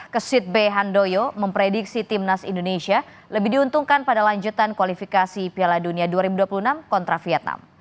kesit b handoyo memprediksi timnas indonesia lebih diuntungkan pada lanjutan kualifikasi piala dunia dua ribu dua puluh enam kontra vietnam